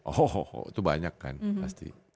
hohoho itu banyak kan pasti